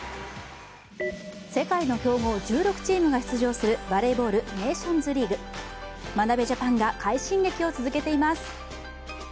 世界の強豪１６チームが出場するバレーボール・ネーションズリーグ眞鍋ジャパンが快進撃を続けています。